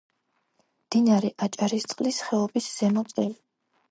მდინარე აჭარისწყლის ხეობის ზემო წელი.